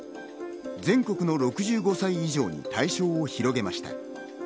全国の６５歳以上に対象を広げました。